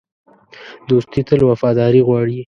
دوستي تل وفاداري غواړي.